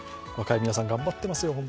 若い皆さん、頑張っていますよ